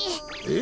え？